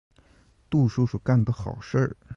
杜叔叔干的好事。